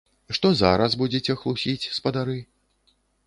Што зараз будзеце хлусіць, спадары?